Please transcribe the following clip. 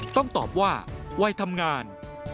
ต้องตอบว่าวัยทำงาน